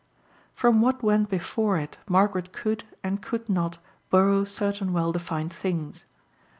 From what went before it Margaret could, and could not, borrow certain well defined things.